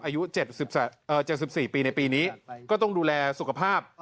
อายุเจ็ดสิบสามเอ่อเจ็ดสิบสี่ปีในปีนี้ก็ต้องดูแลสุขภาพ